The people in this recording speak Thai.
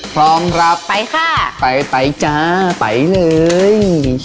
พร้อมรับไปค่ะไปไปจ้าไปเลย